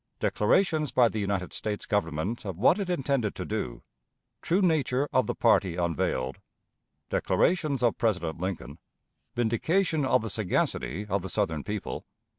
Declarations by the United States Government of what it intended to do. True Nature of the Party unveiled. Declarations of President Lincoln. Vindication of the Sagacity of the Southern People.